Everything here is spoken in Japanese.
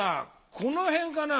この辺かな？